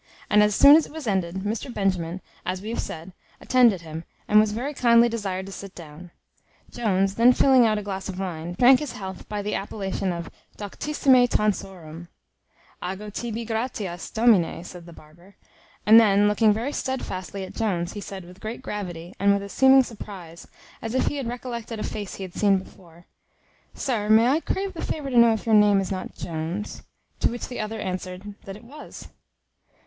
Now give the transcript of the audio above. And, as soon as it was ended, Mr Benjamin, as we have said, attended him, and was very kindly desired to sit down. Jones then filling out a glass of wine, drank his health by the appellation of doctissime tonsorum. "Ago tibi gratias, domine" said the barber; and then looking very steadfastly at Jones, he said, with great gravity, and with a seeming surprize, as if he had recollected a face he had seen before, "Sir, may I crave the favour to know if your name is not Jones?" To which the other answered, "That it was."